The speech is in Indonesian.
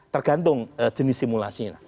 tergantung jenis simulasi